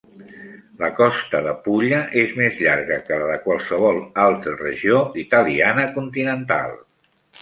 La costa de Pulla és més llarga que la de qualsevol altra regió italiana continental.